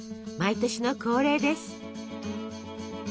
毎年の恒例です。